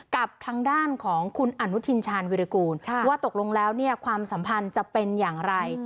กับทางด้านของคุณอนุทินชาญวิรากูลว่าตกลงแล้วเนี่ยความสัมพันธ์จะเป็นอย่างไร